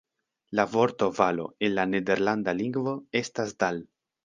La vorto valo en la nederlanda lingvo estas "dal".